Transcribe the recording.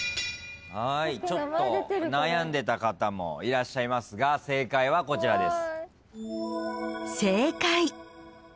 ちょっと悩んでた方もいらっしゃいますが正解はこちらです。